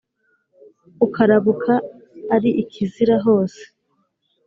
ukarabuka, ari ikizira hose